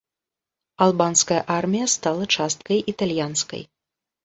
Албанская армія стала часткай італьянскай.